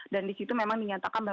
dan disitu memang dinyatakan